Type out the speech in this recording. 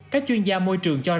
các chuyên gia môi trường cho biết